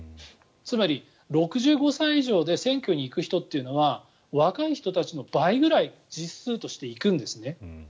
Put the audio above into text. つまり、６５歳以上で選挙に行く人というのは若い人たちの倍ぐらい実数として行くんですね。